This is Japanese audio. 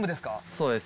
そうです。